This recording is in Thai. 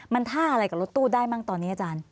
มันท่าอะไรกับรถตู้ได้มั้งตอนนี้อาจารย์